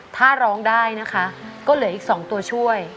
ถ้าร้องได้นะคะก็เหลืออีก๒ตัวช่วย